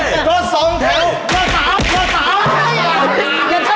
รถสองแถวหัวสาว